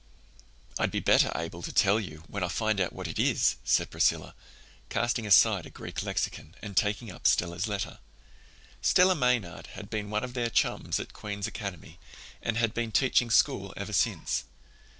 "I'll be better able to tell you when I find out what it is," said Priscilla, casting aside a Greek lexicon and taking up Stella's letter. Stella Maynard had been one of their chums at Queen's Academy and had been teaching school ever since.